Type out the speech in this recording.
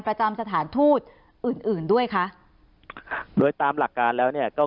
ประจำสถานทูตอื่นอื่นด้วยคะโดยตามหลักการแล้วเนี่ยก็